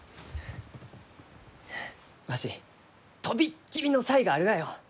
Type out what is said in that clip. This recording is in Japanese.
わし飛びっ切りの才があるがよ！